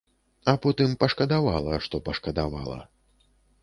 А потым пашкадавала, што пашкадавала.